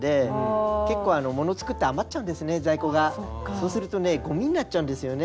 そうするとねゴミになっちゃうんですよね。